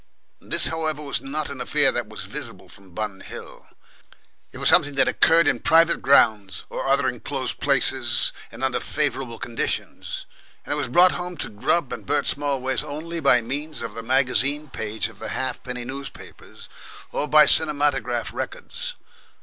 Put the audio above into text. This, however, was not an affair that was visible from Bun Hill; it was something that occurred in private grounds or other enclosed places and, under favourable conditions, and it was brought home to Grubb and Bert Smallways only by means of the magazine page of the half penny newspapers or by cinematograph records.